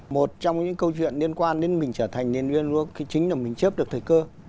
một trong những câu chuyện liên quan đến mình trở thành liên hiệp quốc thì chính là mình chếp được thời cơ